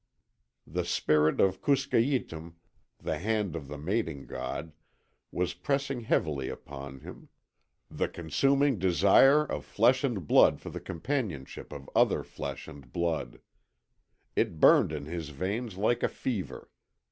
The spirit of Kuskayetum the hand of the mating god was pressing heavily upon him; the consuming desire of flesh and blood for the companionship of other flesh and blood. It burned in his veins like a fever.